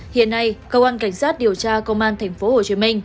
hiện nay công an cảnh sát điều tra công an tp hcm